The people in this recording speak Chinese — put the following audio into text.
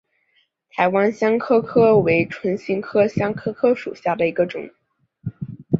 台湾香科科为唇形科香科科属下的一个种。